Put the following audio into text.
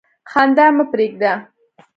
خندا مه پرېږده.